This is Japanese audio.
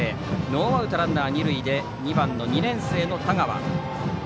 ノーアウトランナー、二塁で２番、２年生の田川。